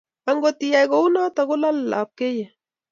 Angot iyai kounotok, kolalei lepkeiyet.